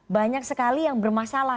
banyak sekali yang bermasalah